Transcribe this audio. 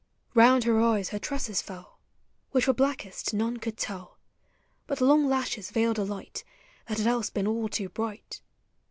Kound her eyes her tresses fell, — Which were blackest none could tell; Hut long lashes veiled a light That had else been all too bright.